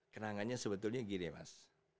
kenangannya sebetulnya gini ya mas